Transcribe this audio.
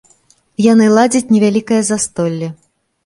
Яны ладзяць невялікае застолле.